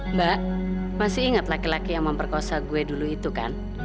mbak masih ingat laki laki yang memperkosa gue dulu itu kan